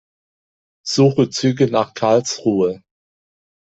Suche Züge nach Karlsruhe.